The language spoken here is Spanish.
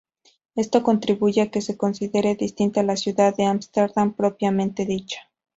Esto contribuye a que se considere distinta de la ciudad de Ámsterdam propiamente dicha.